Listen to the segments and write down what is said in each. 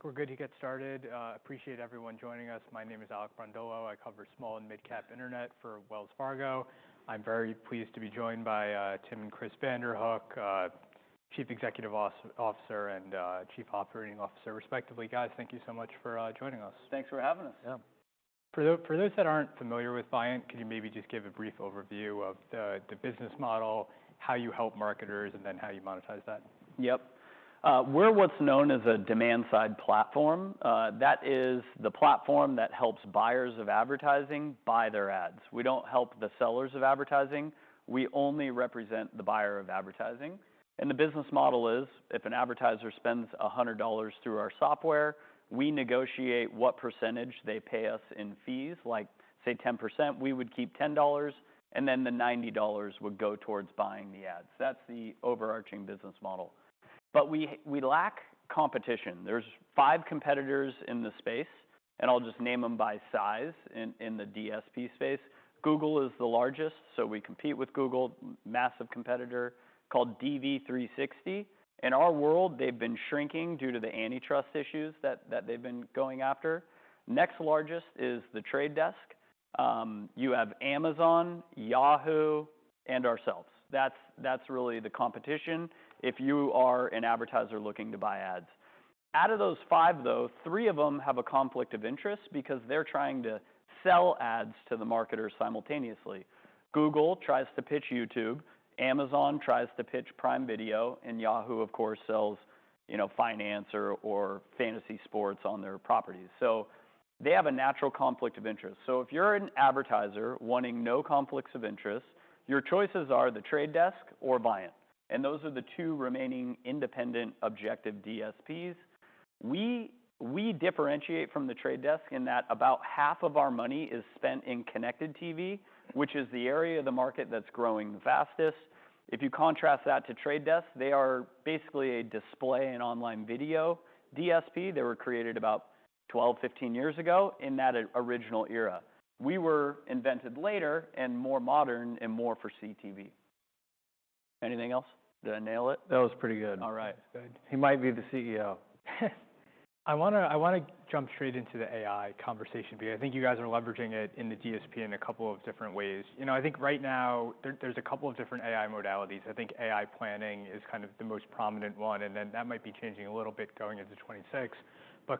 I think we're good to get started. Appreciate everyone joining us. My name is Alec Brondolo. I cover small and mid-cap internet for Wells Fargo. I'm very pleased to be joined by Tim and Chris Vanderhook, Chief Executive Officer and Chief Operating Officer, respectively. Guys, thank you so much for joining us. Thanks for having us. Yeah. For those that aren't familiar with Viant, could you maybe just give a brief overview of the business model, how you help marketers, and then how you monetize that? Yep. We're what's known as a demand-side platform. That is the platform that helps buyers of advertising buy their ads. We don't help the sellers of advertising. We only represent the buyer of advertising. The business model is, if an advertiser spends $100 through our software, we negotiate what percentage they pay us in fees. Like, say, 10%, we would keep $10, and then the $90 would go towards buying the ads. That's the overarching business model. We lack competition. There's five competitors in the space, and I'll just name them by size in the DSP space. Google is the largest, so we compete with Google, massive competitor called DV360. In our world, they've been shrinking due to the antitrust issues that they've been going after. Next largest is The Trade Desk. You have Amazon, Yahoo, and ourselves. That's really the competition if you are an advertiser looking to buy ads. Out of those five, though, three of them have a conflict of interest because they're trying to sell ads to the marketers simultaneously. Google tries to pitch YouTube. Amazon tries to pitch Prime Video. Yahoo, of course, sells finance or fantasy sports on their properties. They have a natural conflict of interest. If you're an advertiser wanting no conflicts of interest, your choices are the Trade Desk or Viant. Those are the two remaining independent objective DSPs. We differentiate from the Trade Desk in that about half of our money is spent in connected TV, which is the area of the market that's growing the fastest. If you contrast that to Trade Desk, they are basically a display and online video. DSP, they were created about 12, 15 years ago in that original era. We were invented later and more modern and more for CTV. Anything else to nail it? That was pretty good. All right. Good. He might be the CEO. I want to jump straight into the AI conversation because I think you guys are leveraging it in the DSP in a couple of different ways. I think right now there's a couple of different AI modalities. I think AI Planning is kind of the most prominent one, and then that might be changing a little bit going into 2026.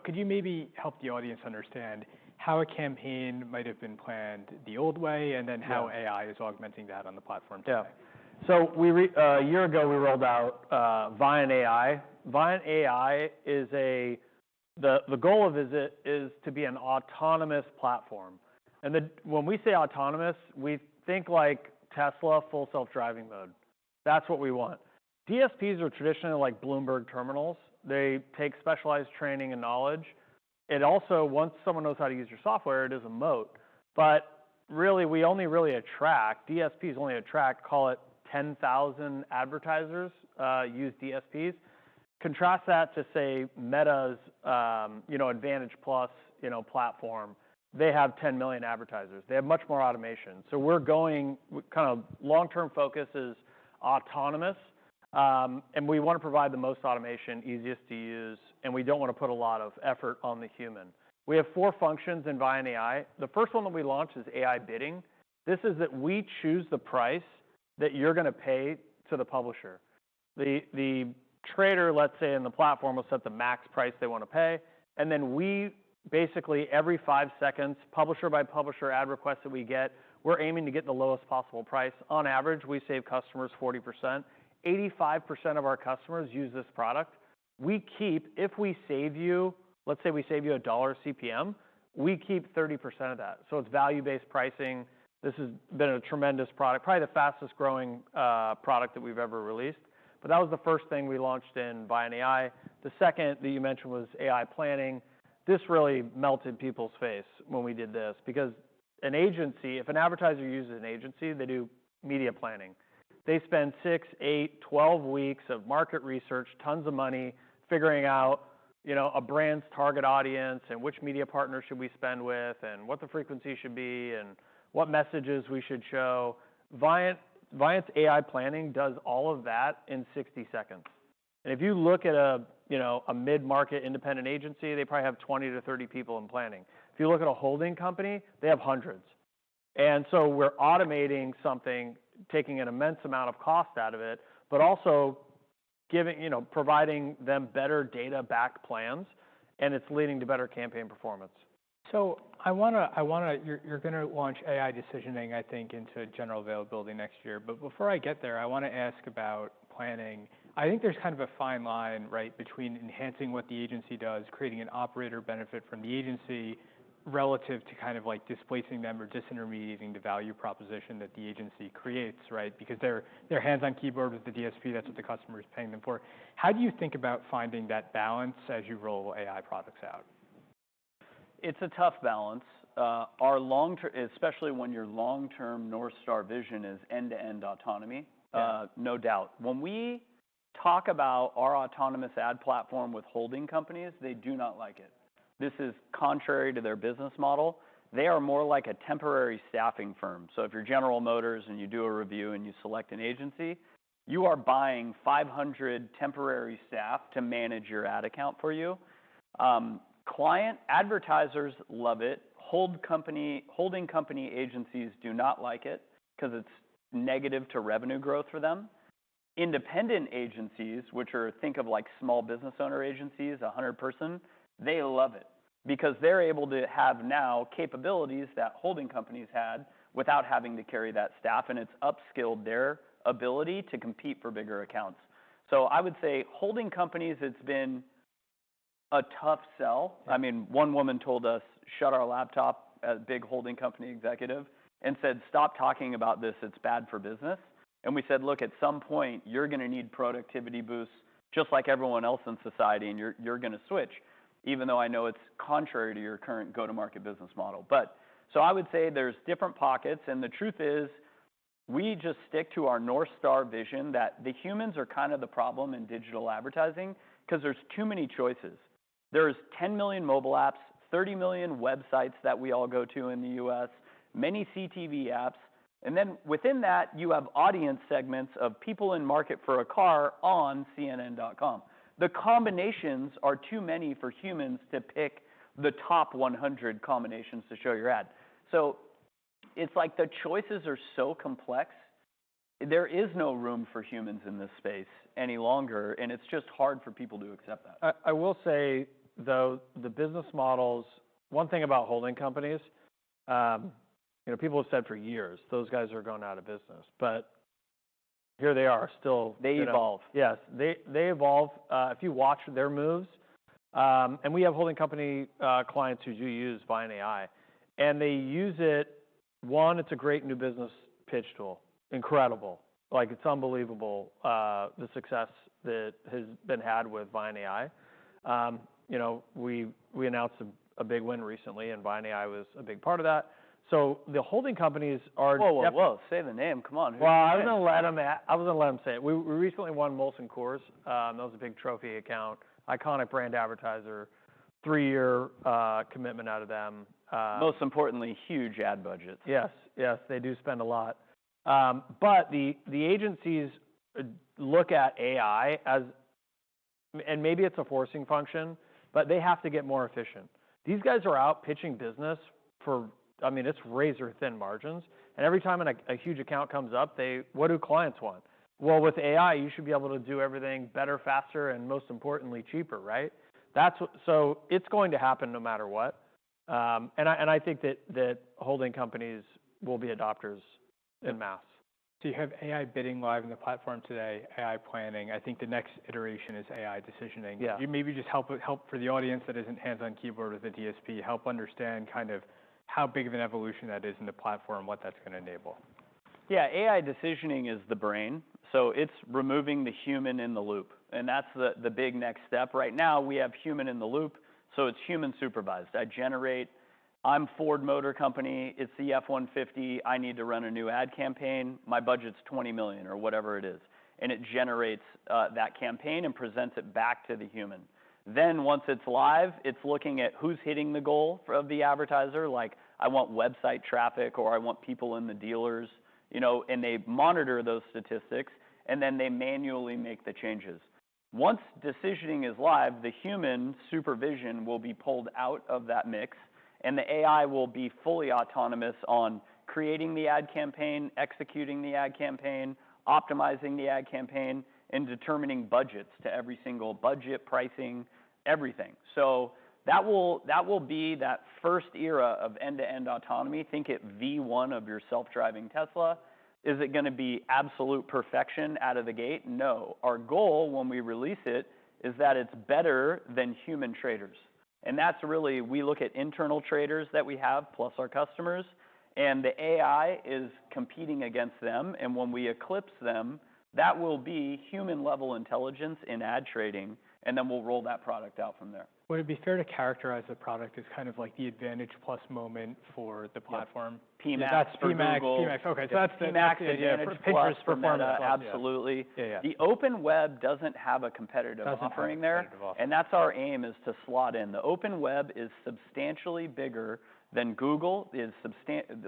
Could you maybe help the audience understand how a campaign might have been planned the old way and then how AI is augmenting that on the platform today? Yeah. A year ago, we rolled out ViantAI. ViantAI, the goal of it is to be an autonomous platform. When we say autonomous, we think like Tesla full self-driving mode. That is what we want. DSPs are traditionally Bloomberg Terminals. they take specialized training and knowledge. Also, once someone knows how to use your software, it is a moat. Really, we only really attract, DSPs only attract, call it 10,000 advertisers use DSPs. Contrast that to, say, Meta's Advantage+ platform. They have 10 million advertisers. They have much more automation. We are going kind of long-term focus is autonomous. We want to provide the most automation, easiest to use. We do not want to put a lot of effort on the human. We have four functions in ViantAI. The first one that we launched is AI Bidding. This is that we choose the price that you're going to pay to the publisher. The trader, let's say, in the platform will set the max price they want to pay. We basically, every five seconds, publisher by publisher ad requests that we get, we're aiming to get the lowest possible price. On average, we save customers 40%. 85% of our customers use this product. If we save you, let's say we save you a dollar CPM, we keep 30% of that. So it's value-based pricing. This has been a tremendous product, probably the fastest growing product that we've ever released. That was the first thing we launched in ViantAI. The second that you mentioned was AI Planning. This really melted people's face when we did this because an agency, if an advertiser uses an agency, they do media planning. They spend 6, 8, 12 weeks of market research, tons of money, figuring out a brand's target audience and which media partner should we spend with and what the frequency should be and what messages we should show. Viant's AI Planning does all of that in 60 seconds. If you look at a mid-market independent agency, they probably have 20-30 people in planning. If you look at a holding company, they have hundreds. We are automating something, taking an immense amount of cost out of it, but also providing them better data-backed plans. It is leading to better campaign performance. I want to, you're going to launch AI Decisioning, I think, into general availability next year. Before I get there, I want to ask about planning. I think there's kind of a fine line right between enhancing what the agency does, creating an operator benefit from the agency relative to kind of displacing them or disintermediating the value proposition that the agency creates, right? Because they're hands on keyboard with the DSP. That's what the customer is paying them for. How do you think about finding that balance as you roll AI products out? It's a tough balance. Especially when your long-term North Star vision is end-to-end autonomy, no doubt. When we talk about our autonomous ad platform with holding companies, they do not like it. This is contrary to their business model. They are more like a temporary staffing firm. If you're General Motors and you do a review and you select an agency, you are buying 500 temporary staff to manage your ad account for you. Client advertisers love it. Holding company agencies do not like it because it's negative to revenue growth for them. Independent agencies, which are, think of like small business owner agencies, 100 person, they love it because they're able to have now capabilities that holding companies had without having to carry that staff. It's upskilled their ability to compete for bigger accounts. I would say holding companies, it's been a tough sell. I mean, one woman told us, "Shut our laptop," a big holding company executive, and said, "Stop talking about this. It's bad for business." We said, "Look, at some point, you're going to need productivity boosts just like everyone else in society, and you're going to switch, even though I know it's contrary to your current go-to-market business model." I would say there's different pockets. The truth is we just stick to our North Star vision that the humans are kind of the problem in digital advertising because there's too many choices. There's 10 million mobile apps, 30 million websites that we all go to in the U.S., many CTV apps. Within that, you have audience segments of people in market for a car on cnn.com. The combinations are too many for humans to pick the top 100 combinations to show your ad. It's like the choices are so complex, there is no room for humans in this space any longer. And it's just hard for people to accept that. I will say, though, the business models, one thing about holding companies, people have said for years, those guys are going out of business. Here they are still. They evolve. Yes. They evolve. If you watch their moves, and we have holding company clients who do use ViantAI. And they use it. One, it's a great new business pitch tool. Incredible. It's unbelievable the success that has been had with ViantAI. We announced a big win recently, and ViantAI was a big part of that. So the holding companies are. Whoa, whoa, whoa. Say the name. Come on. I was going to let them say it. We recently won Molson Coors. That was a big trophy account. Iconic brand advertiser, three-year commitment out of them. Most importantly, huge ad budgets. Yes, yes. They do spend a lot. But the agencies look at AI as, and maybe it's a forcing function, but they have to get more efficient. These guys are out pitching business for, I mean, it's razor-thin margins. And every time a huge account comes up, what do clients want? Well, with AI, you should be able to do everything better, faster, and most importantly, cheaper, right? It is going to happen no matter what. I think that holding companies will be adopters en masse. You have AI Bidding live on the platform today, AI Planning. I think the next iteration is AI Decisioning. Maybe just help for the audience that isn't hands on keyboard with the DSP, help understand kind of how big of an evolution that is in the platform, what that's going to enable. Yeah. AI decisioning is the brain. It is removing the human in the loop. That is the big next step. Right now, we have human in the loop. It is human supervised. I generate, I am Ford Motor Company. It is the F-150. I need to run a new ad campaign. My budget is $20 million or whatever it is. It generates that campaign and presents it back to the human. Once it is live, it is looking at who is hitting the goal of the advertiser. Like, I want website traffic or I want people in the dealers. They monitor those statistics. They manually make the changes. Once decisioning is live, the human supervision will be pulled out of that mix. The AI will be fully autonomous on creating the ad campaign, executing the ad campaign, optimizing the ad campaign, and determining budgets to every single budget, pricing, everything. That will be that first era of end-to-end autonomy. Think it V1 of your self-driving Tesla. Is it going to be absolute perfection out of the gate? No. Our goal when we release it is that it's better than human traders. That's really, we look at internal traders that we have plus our customers. The AI is competing against them. When we eclipse them, that will be human-level intelligence in ad trading. Then we'll roll that product out from there. Would it be fair to characterize the product as kind of like the Advantage+ moment for the platform? PMAX. That's PMAX. Okay. So that's the. PMAX. PMAX. PMAX. Absolutely. The open web does not have a competitive offering there. That is our aim, to slot in. The open web is substantially bigger than Google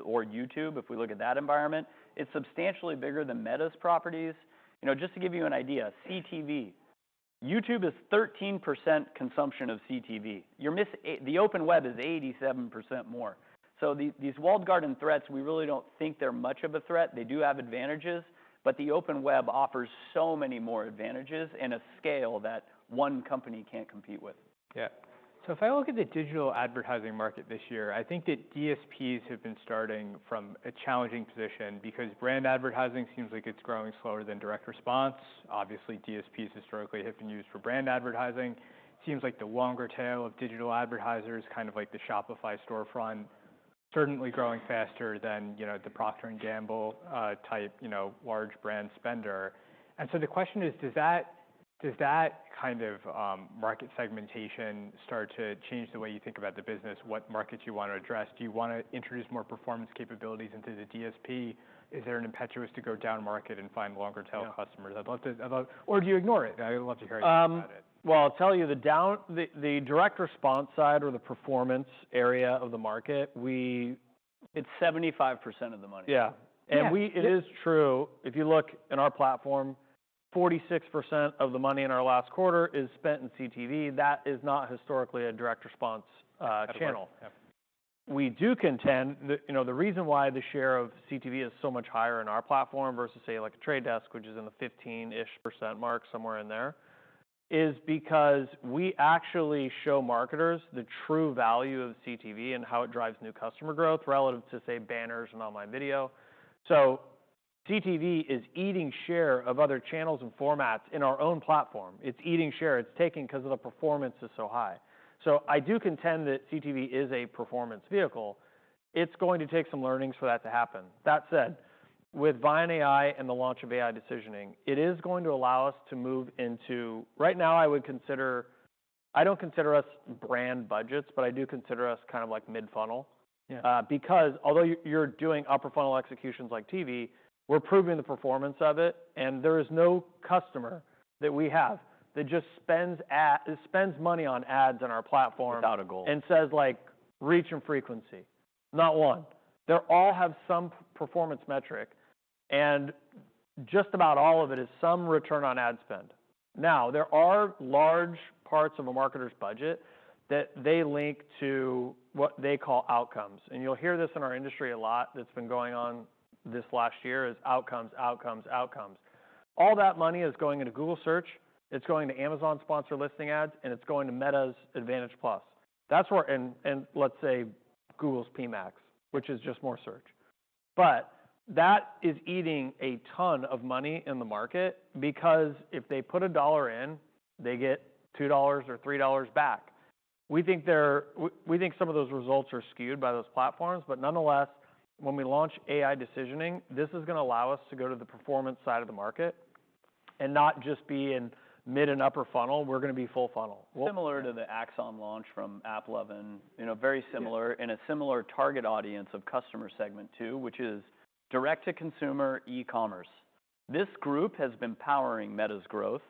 or YouTube if we look at that environment. It is substantially bigger than Meta's properties. Just to give you an idea, CTV, YouTube is 13% consumption of CTV. The open web is 87% more. These walled garden threats, we really do not think they are much of a threat. They do have advantages. The open web offers so many more advantages in a scale that one company cannot compete with. Yeah. If I look at the digital advertising market this year, I think that DSPs have been starting from a challenging position because brand advertising seems like it's growing slower than direct response. Obviously, DSPs historically have been used for brand advertising. It seems like the longer tail of digital advertisers, kind of like the Shopify storefront, certainly growing faster than the Procter & Gamble type large brand spender. The question is, does that kind of market segmentation start to change the way you think about the business, what markets you want to address? Do you want to introduce more performance capabilities into the DSP? Is there an impetus to go down market and find longer-tail customers? Or do you ignore it? I'd love to hear about it. I'll tell you the direct response side or the performance area of the market, we. It's 75% of the money. Yeah. It is true. If you look in our platform, 46% of the money in our last quarter is spent in CTV. That is not historically a direct response channel. We do contend the reason why the share of CTV is so much higher in our platform versus, say, like a Trade Desk, which is in the 15%-ish mark, somewhere in there, is because we actually show marketers the true value of CTV and how it drives new customer growth relative to, say, banners and online video. CTV is eating share of other channels and formats in our own platform. It is eating share. It is taking because the performance is so high. I do contend that CTV is a performance vehicle. It is going to take some learnings for that to happen. That said, with ViantAI and the launch of AI Decisioning, it is going to allow us to move into right now, I would consider, I do not consider us brand budgets, but I do consider us kind of like mid-funnel. Because although you are doing upper-funnel executions like TV, we are proving the performance of it. There is no customer that we have that just spends money on ads on our platform. Without a goal. Like reach and frequency, not one. They all have some performance metric. And just about all of it is some return on ad spend. Now, there are large parts of a marketer's budget that they link to what they call outcomes. You'll hear this in our industry a lot that's been going on this last year is outcomes, outcomes, outcomes. All that money is going into Google Search. It's going to Amazon sponsor listing ads. It's going to Meta's Advantage+. Let's say Google's PMAX, which is just more search. That is eating a ton of money in the market because if they put a dollar in, they get $2 or $3 back. We think some of those results are skewed by those platforms. Nonetheless, when we launch AI Decisioning, this is going to allow us to go to the performance side of the market and not just be in mid and upper funnel. We're going to be full funnel. Similar to the Axon launch from AppLovin, very similar in a similar target audience of customer segment two, which is direct-to-consumer e-commerce. This group has been powering Meta's growth.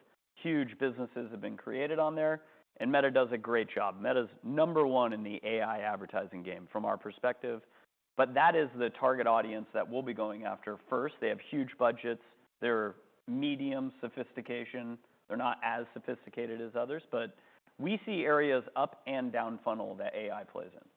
Huge businesses have been created on there. Meta does a great job. Meta's number one in the AI advertising game from our perspective. That is the target audience that we'll be going after first. They have huge budgets. They're medium sophistication. They're not as sophisticated as others. We see areas up and down funnel that AI plays in.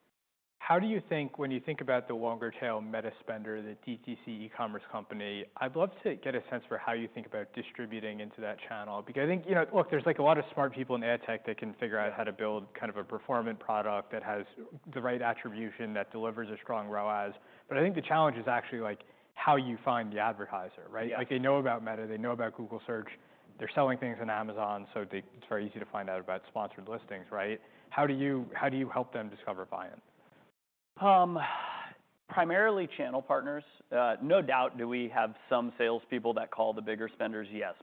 How do you think when you think about the longer-tail Meta spender, the DTC e-commerce company, I'd love to get a sense for how you think about distributing into that channel. Because I think, look, there's like a lot of smart people in ad tech that can figure out how to build kind of a performant product that has the right attribution that delivers a strong ROAS. I think the challenge is actually like how you find the advertiser, right? They know about Meta. They know about Google Search. They're selling things on Amazon. It's very easy to find out about sponsored listings, right? How do you help them discover Viant? Primarily channel partners. No doubt do we have some salespeople that call the bigger spenders, yes.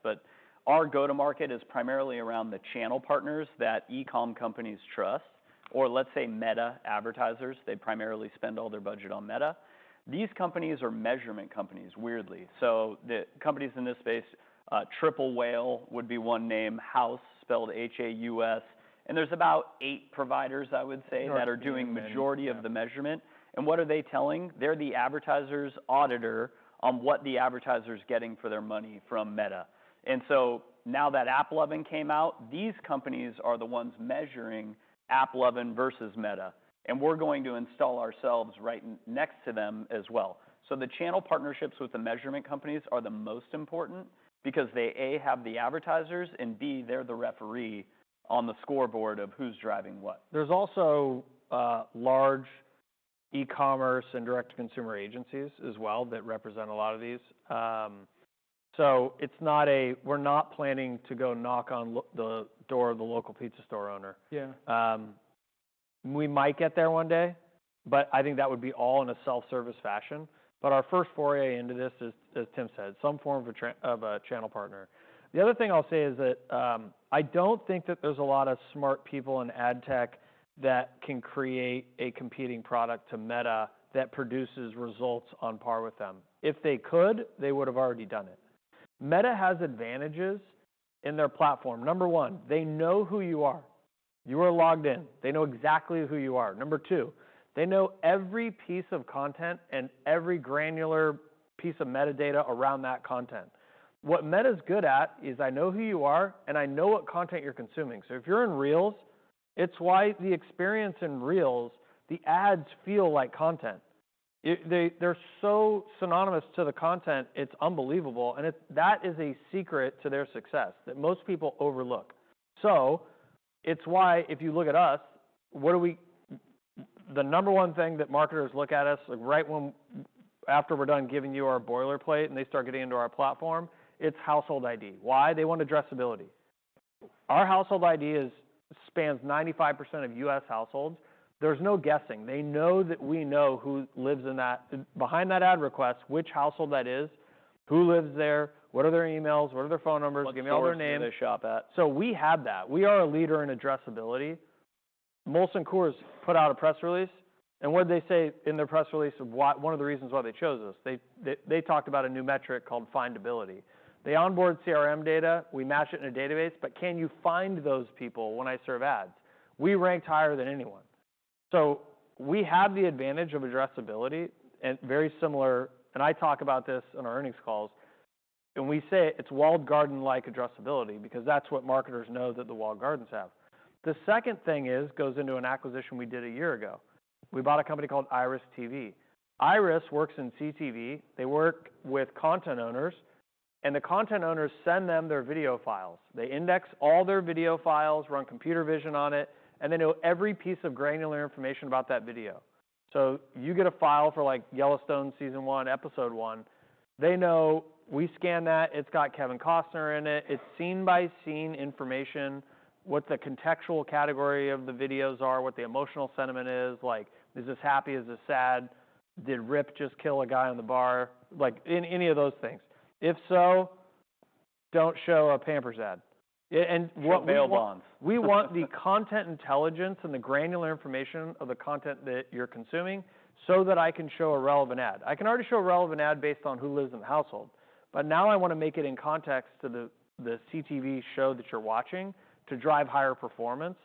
Our go-to-market is primarily around the channel partners that e-com companies trust. Let's say Meta advertisers. They primarily spend all their budget on Meta. These companies are measurement companies, weirdly. The companies in this space, Triple Whale would be one name, Haus, spelled H-A-U-S. There are about eight providers, I would say, that are doing the majority of the measurement. What are they telling? They're the advertisers' auditor on what the advertiser's getting for their money from Meta. Now that AppLovin came out, these companies are the ones measuring AppLovin versus Meta. We're going to install ourselves right next to them as well. The channel partnerships with the measurement companies are the most important because they, A, have the advertisers, and, B, they're the referee on the scoreboard of who's driving what. There's also large e-commerce and direct-to-consumer agencies as well that represent a lot of these. It is not a we are not planning to go knock on the door of the local pizza store owner. We might get there one day. I think that would be all in a self-service fashion. Our first foray into this is, as Tim said, some form of a channel partner. The other thing I'll say is that I do not think that there's a lot of smart people in ad tech that can create a competing product to Meta that produces results on par with them. If they could, they would have already done it. Meta has advantages in their platform. Number one, they know who you are. You are logged in. They know exactly who you are. Number two, they know every piece of content and every granular piece of metadata around that content. What Meta's good at is I know who you are, and I know what content you're consuming. If you're in Reels, it's why the experience in Reels, the ads feel like content. They're so synonymous to the content. It's unbelievable. That is a secret to their success that most people overlook. If you look at us, the number one thing that marketers look at us right after we're done giving you our boilerplate and they start getting into our platform, it's Household ID. Why? They want addressability. Our Household ID spans 95% of U.S. households. There's no guessing. They know that we know who lives behind that ad request, which household that is, who lives there, what are their emails, what are their phone numbers, give me all their names. Look at their shop ad. We are a leader in addressability. Molson Coors put out a press release. And what did they say in their press release? One of the reasons why they chose us, they talked about a new metric called findability. They onboard CRM data. We match it in a database. But can you find those people when I serve ads? We ranked higher than anyone. We have the advantage of addressability and very similar. I talk about this in our earnings calls. We say it's walled garden-like addressability because that's what marketers know that the walled gardens have. The second thing goes into an acquisition we did a year ago. We bought a company called IRIS.TV. IRIS works in CTV. They work with content owners. The content owners send them their video files. They index all their video files, run computer vision on it, and they know every piece of granular information about that video. You get a file for Yellowstone Season 1, Episode 1. They know we scan that. It's got Kevin Costner in it. It's scene-by-scene information, what the contextual category of the videos are, what the emotional sentiment is. Like, is this happy? Is this sad? Did Rip just kill a guy on the bar? Any of those things. If so, don't show a Pampers ad. What we want. We want the content intelligence and the granular information of the content that you're consuming so that I can show a relevant ad. I can already show a relevant ad based on who lives in the household. Now I want to make it in context to the CTV show that you're watching to drive higher performance.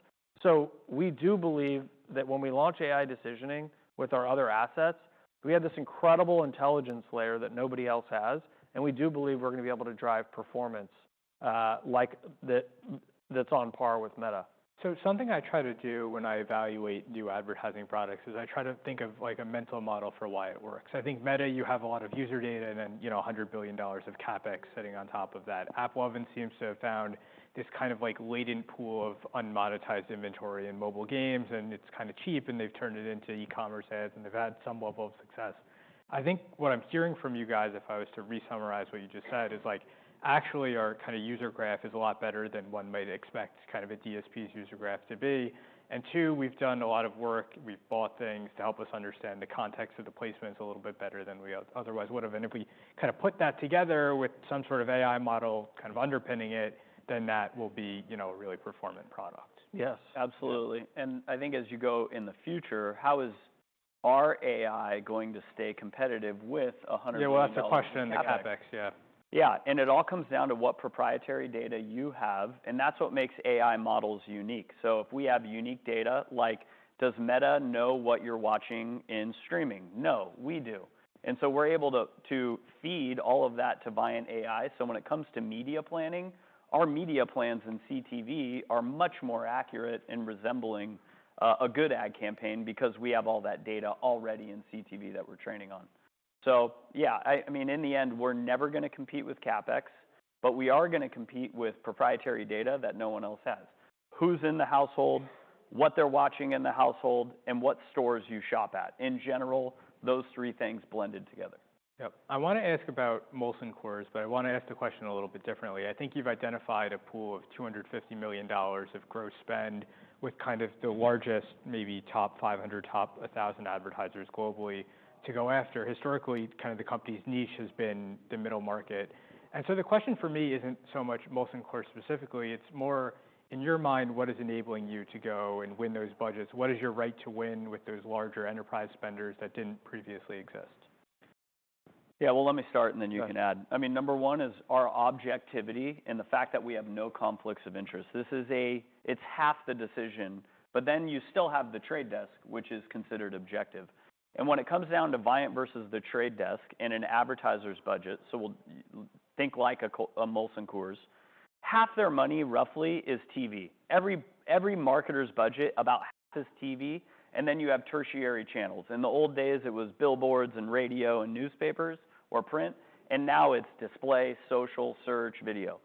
We do believe that when we launch AI Decisioning with our other assets, we have this incredible intelligence layer that nobody else has. We do believe we're going to be able to drive performance that's on par with Meta. Something I try to do when I evaluate new advertising products is I try to think of like a mental model for why it works. I think Meta, you have a lot of user data and then $100 billion of CapEx sitting on top of that. AppLovin seems to have found this kind of like latent pool of unmonetized inventory in mobile games. It is kind of cheap. They have turned it into e-commerce ads. They have had some level of success. I think what I am hearing from you guys, if I was to re-summarize what you just said, is actually our kind of user graph is a lot better than one might expect kind of a DSP's user graph to be. We have done a lot of work have bought things to help us understand the context of the placements a little bit better than we otherwise would have. If we kind of put that together with some sort of AI model kind of underpinning it, that will be a really performant product. Yes. Absolutely. I think as you go in the future, how is our AI going to stay competitive with $100 billion of CapEx? Yeah. It all comes down to what proprietary data you have. That's what makes AI models unique. If we have unique data, like does Meta know what you're watching in streaming? No, we do. We're able to feed all of that to ViantAI. When it comes to media planning, our media plans in CTV are much more accurate and resembling a good ad campaign because we have all that data already in CTV that we're training on. I mean, in the end, we're never going to compete with CapEx. We are going to compete with proprietary data that no one else has. Who's in the household, what they're watching in the household, and what stores you shop at. In general, those three things blended together. Yep. I want to ask about Molson Coors, but I want to ask the question a little bit differently. I think you've identified a pool of $250 million of gross spend with kind of the largest, maybe top 500, top 1,000 advertisers globally to go after. Historically, kind of the company's niche has been the middle market. The question for me isn't so much Molson Coors specifically. It's more, in your mind, what is enabling you to go and win those budgets? What is your right to win with those larger enterprise spenders that didn't previously exist? Yeah. Let me start and then you can add. I mean, number one is our objectivity and the fact that we have no conflicts of interest. It's half the decision. You still have The Trade Desk, which is considered objective. When it comes down to Viant versus The Trade Desk in an advertiser's budget, so think like a Molson Coors, half their money roughly is TV. Every marketer's budget, about half is TV. You have tertiary channels. In the old days, it was billboards and radio and newspapers or print. Now it's display, social, search, video.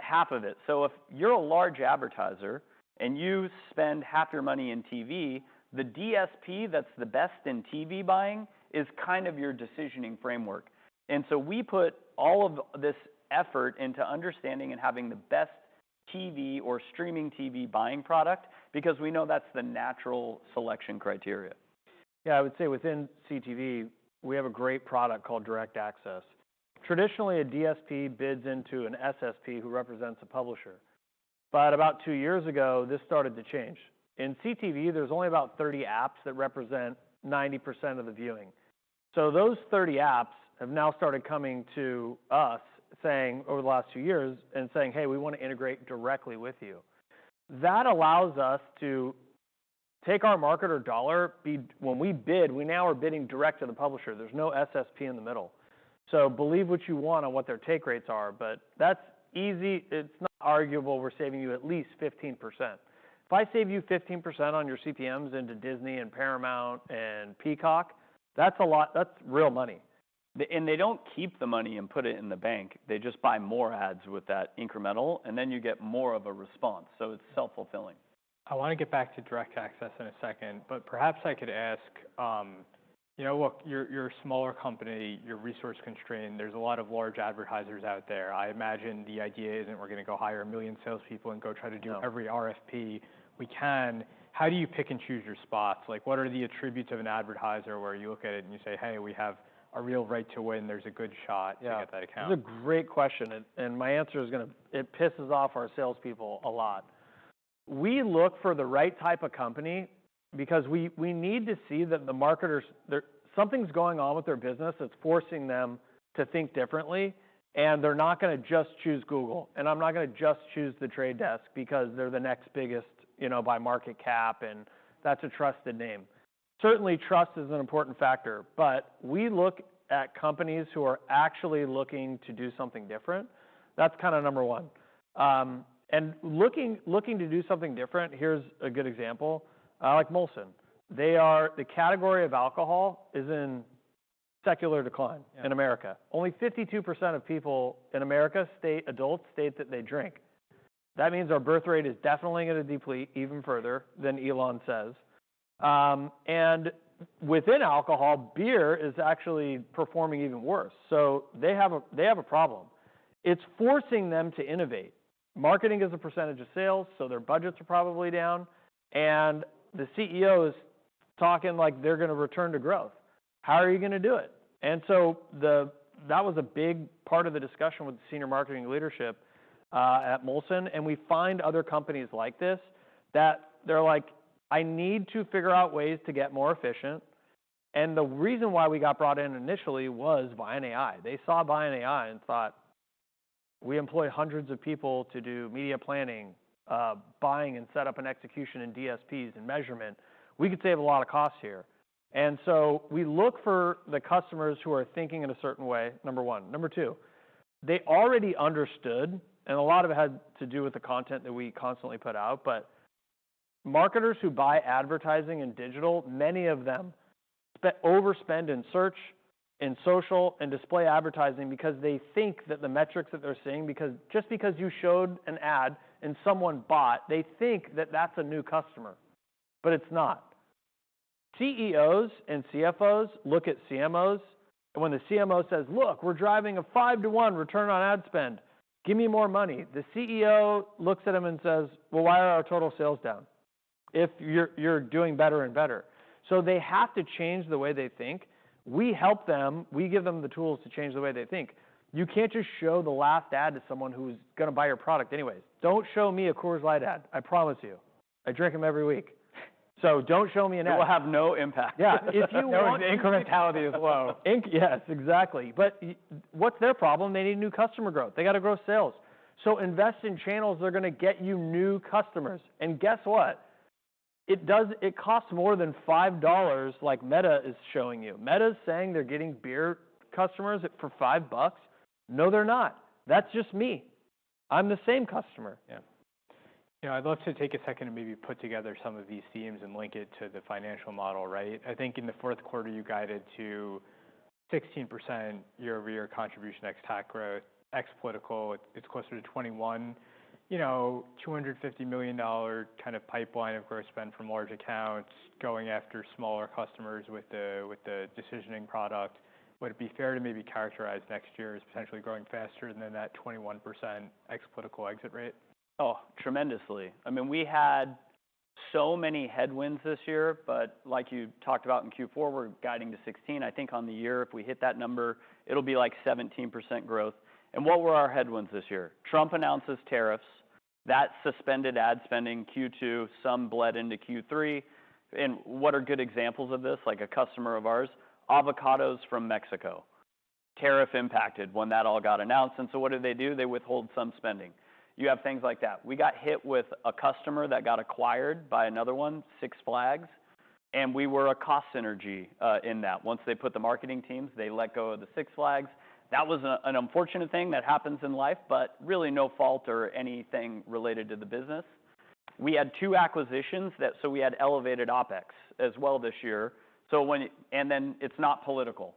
Half of it. If you're a large advertiser and you spend half your money in TV, the DSP that's the best in TV buying is kind of your decisioning framework. We put all of this effort into understanding and having the best TV or streaming TV buying product because we know that's the natural selection criteria. Yeah. I would say within CTV, we have a great product called Direct Access. Traditionally, a DSP bids into an SSP who represents a publisher. About two years ago, this started to change. In CTV, there are only about 30 apps that represent 90% of the viewing. Those 30 apps have now started coming to us over the last two years and saying, hey, we want to integrate directly with you. That allows us to take our marketer dollar. When we bid, we now are bidding direct to the publisher. There is no SSP in the middle. Believe what you want on what their take rates are. That is easy. It is not arguable. We are saving you at least 15%. If I save you 15% on your CPMs into Disney and Paramount and Peacock, that is real money. They do not keep the money and put it in the bank. They just buy more ads with that incremental. You get more of a response. It is self-fulfilling. I want to get back to Direct Access in a second. Perhaps I could ask, you know, look, you're a smaller company. You're resource constrained. There's a lot of large advertisers out there. I imagine the idea isn't we're going to go hire a million salespeople and go try to do every RFP we can. How do you pick and choose your spots? What are the attributes of an advertiser where you look at it and you say, hey, we have a real right to win. There's a good shot to get that account. Yeah. This is a great question. My answer is going to it pisses off our salespeople a lot. We look for the right type of company because we need to see that the marketers, something's going on with their business that's forcing them to think differently. They're not going to just choose Google. I'm not going to just choose the Trade Desk because they're the next biggest by market cap. That's a trusted name. Certainly, trust is an important factor. We look at companies who are actually looking to do something different. That's kind of number one. Looking to do something different, here's a good example. Like Molson, the category of alcohol is in secular decline in America. Only 52% of people in America, adults, state that they drink. That means our birth rate is definitely going to deplete even further than Elon says. Within alcohol, beer is actually performing even worse. They have a problem. It is forcing them to innovate. Marketing is a percentage of sales, so their budgets are probably down. The CEO is talking like they are going to return to growth. How are you going to do it? That was a big part of the discussion with the senior marketing leadership at Molson. We find other companies like this that are like, I need to figure out ways to get more efficient. The reason why we got brought in initially was ViantAI. They saw ViantAI and thought, we employ hundreds of people to do media planning, buying, and set up and execution in DSPs and measurement. We could save a lot of costs here. We look for the customers who are thinking in a certain way, number one. Number two, they already understood. A lot of it had to do with the content that we constantly put out. Marketers who buy advertising in digital, many of them overspend in search, in social, in display advertising because they think that the metrics that they're seeing, just because you showed an ad and someone bought, they think that that's a new customer. It's not. CEOs and CFOs look at CMOs. When the CMO says, look, we're driving a 5 to 1 return on ad spend, give me more money. The CEO looks at them and says, why are our total sales down if you're doing better and better? They have to change the way they think. We help them. We give them the tools to change the way they think. You can't just show the last ad to someone who's going to buy your product anyways. Don't show me a Coors Light ad. I promise you. I drink them every week. Do not show me an ad. It will have no impact. Yeah. If you want. No, incrementality is low. Yes, exactly. What's their problem? They need new customer growth. They got to grow sales. Invest in channels that are going to get you new customers. Guess what? It costs more than $5, like Meta is showing you. Meta is saying they're getting beer customers for $5. No, they're not. That's just me. I'm the same customer. Yeah. Yeah. I'd love to take a second and maybe put together some of these themes and link it to the financial model, right? I think in the fourth quarter, you guided to 16% year-over-year contribution x tax growth x political. It's closer to 21%, $250 million kind of pipeline of gross spend from large accounts going after smaller customers with the decisioning product. Would it be fair to maybe characterize next year as potentially growing faster than that 21% x political exit rate? Oh, tremendously. I mean, we had so many headwinds this year. Like you talked about in Q4, we're guiding to 16. I think on the year, if we hit that number, it'll be like 17% growth. What were our headwinds this year? Trump announces tariffs. That suspended ad spending Q2, some bled into Q3. What are good examples of this, like a customer of ours, Avocados from Mexico, tariff impacted when that all got announced. What did they do? They withhold some spending. You have things like that. We got hit with a customer that got acquired by another one, Six Flags. We were a cost synergy in that. Once they put the marketing teams, they let go of the Six Flags. That was an unfortunate thing that happens in life. Really, no fault or anything related to the business. We had two acquisitions. We had elevated OpEx as well this year. It is not political.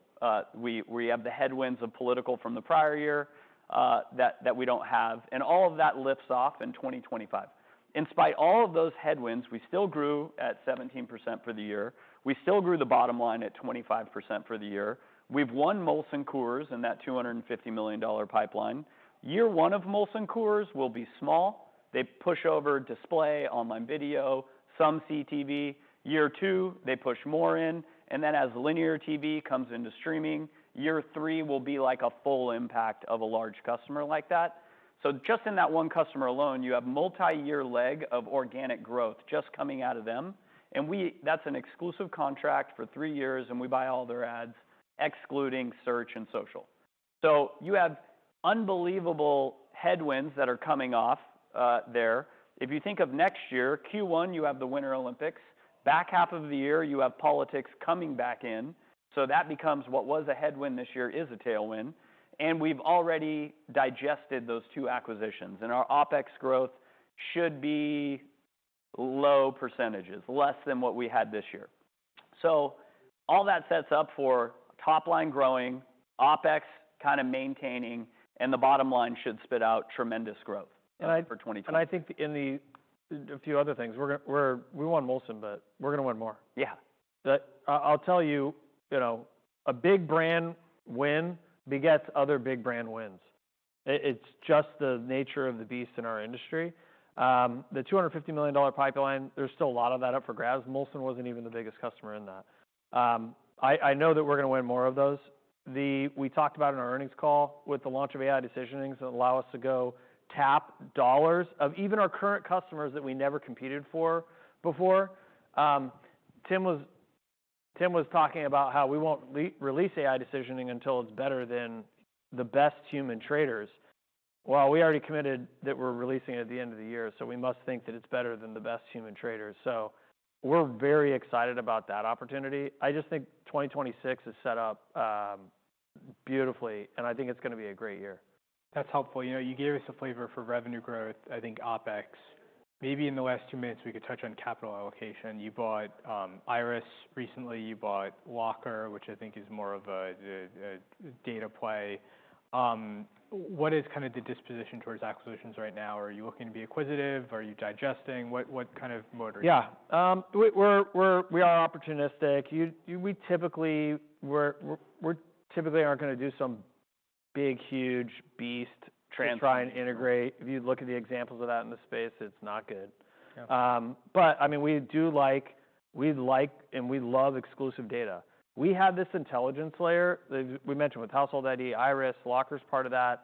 We have the headwinds of political from the prior year that we do not have. All of that lifts off in 2025. In spite of all of those headwinds, we still grew at 17% for the year. We still grew the bottom line at 25% for the year. We have won Molson Coors in that $250 million pipeline. Year one of Molson Coors will be small. They push over display, online video, some CTV. Year two, they push more in. As linear TV comes into streaming, year three will be like a full impact of a large customer like that. Just in that one customer alone, you have a multi-year leg of organic growth just coming out of them. That is an exclusive contract for three years. We buy all their ads, excluding search and social. You have unbelievable headwinds that are coming off there. If you think of next year, Q1, you have the Winter Olympics. Back half of the year, you have politics coming back in. That becomes what was a headwind this year is a tailwind. We have already digested those two acquisitions. Our OpEx growth should be low percentages, less than what we had this year. All that sets up for top line growing, OpEx kind of maintaining. The bottom line should spit out tremendous growth for 2020. I think in the few other things, we won Molson, but we're going to win more. Yeah. I'll tell you, a big brand win begets other big brand wins. It's just the nature of the beast in our industry. The $250 million pipeline, there's still a lot of that up for grabs. Molson wasn't even the biggest customer in that. I know that we're going to win more of those. We talked about in our earnings call with the launch of AI Decisioning that allow us to go tap dollars of even our current customers that we never competed for before. Tim was talking about how we won't release AI Decisioning until it's better than the best human traders. We already committed that we're releasing it at the end of the year. We must think that it's better than the best human traders. We're very excited about that opportunity. I just think 2026 is set up beautifully. I think it's going to be a great year. That's helpful. You gave us a flavor for revenue growth, I think, OpEx. Maybe in the last two minutes, we could touch on capital allocation. You bought Iris recently. You bought Lockr, which I think is more of a data play. What is kind of the disposition towards acquisitions right now? Are you looking to be acquisitive? Are you digesting? What kind of motivation? Yeah. We are opportunistic. We typically aren't going to do some big, huge beast to try and integrate. If you look at the examples of that in the space, it's not good. I mean, we do like and we love exclusive data. We have this intelligence layer that we mentioned with Household ID, Iris, Lockr's part of that.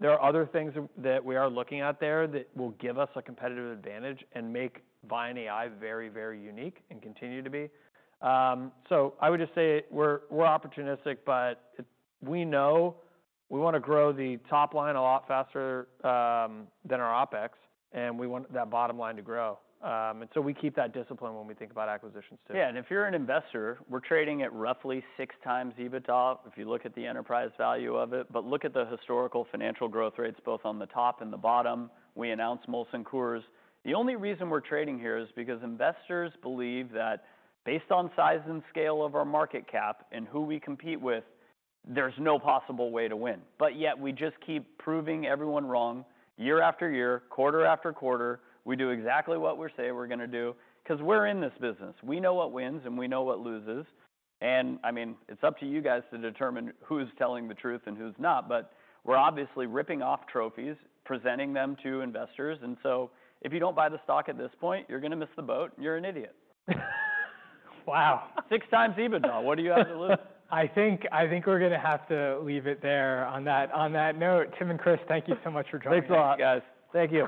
There are other things that we are looking at there that will give us a competitive advantage and make ViantAI very, very unique and continue to be. I would just say we're opportunistic. We know we want to grow the top line a lot faster than our OpEx. We want that bottom line to grow. We keep that discipline when we think about acquisitions too. Yeah. If you're an investor, we're trading at roughly six times EBITDA if you look at the enterprise value of it. Look at the historical financial growth rates, both on the top and the bottom. We announced Molson Coors. The only reason we're trading here is because investors believe that based on size and scale of our market cap and who we compete with, there's no possible way to win. Yet, we just keep proving everyone wrong year after year, quarter after quarter. We do exactly what we say we're going to do because we're in this business. We know what wins and we know what loses. I mean, it's up to you guys to determine who's telling the truth and who's not. We're obviously ripping off trophies, presenting them to investors. If you do not buy the stock at this point, you are going to miss the boat. You are an idiot. Wow. Six times EBITDA. What do you have to lose? I think we're going to have to leave it there on that note. Tim and Chris, thank you so much for joining us. Thanks a lot, guys. Thank you.